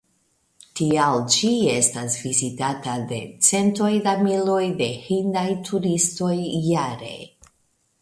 Tial ĝi estas vizitata de centoj da miloj da hindaj turistoj jare.